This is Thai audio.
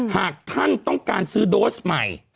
หากท่านต้องการซื้อโดสใหม่